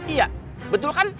iya betul kan